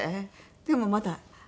でもまだ。